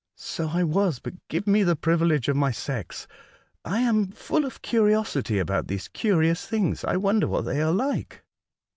" So I was ; but give me the privilege of my sex. I am full of curiosity about these curious beings. I wonder what they are like."